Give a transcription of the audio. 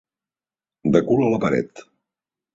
De cul a la paret.